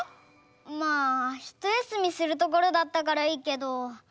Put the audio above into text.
まあひとやすみするところだったからいいけど。